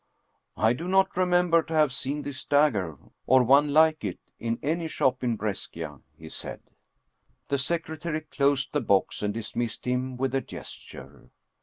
" I do not remember tc ave seen this dagger, or one like it, in any shop in Bresc ' he said. The secretary closed the box and dismissed him with a gesture.